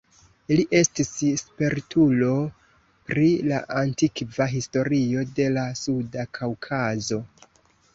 Li estis spertulo pri la antikva historio de la suda Kaŭkazo.